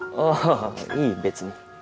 ああいい別に。